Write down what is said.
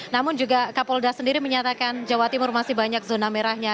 namun juga kapolda sendiri menyatakan jawa timur masih banyak zona merahnya